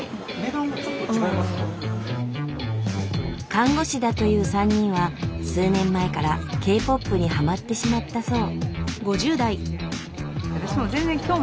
看護師だという３人は数年前からＫ−ＰＯＰにはまってしまったそう。